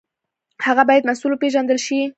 هغه باید مسوول وپېژندل شي.